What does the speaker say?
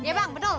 iya bang bener